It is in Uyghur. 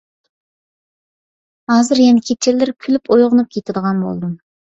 ھازىر يەنە كېچىلىرى كۈلۈپ ئويغىنىپ كېتىدىغان بولدۇم.